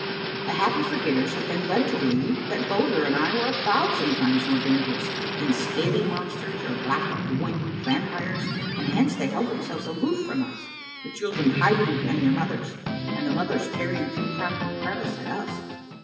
The Happy Forgetters had been led to believe that Bulger and I were a thousand times more dangerous than scaly monsters or black winged vampires, and hence they held them selves aloof from us, the children hiding behind their mothers, and the mothers peering through crack and crevice at us.